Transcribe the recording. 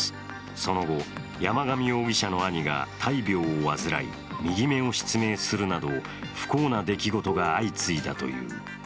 その後、山上容疑者の兄が大病を患い、右目を失明するなど、不幸な出来事が相次いだという。